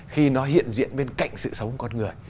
khi nó hiện diện bên cạnh sự sống của con người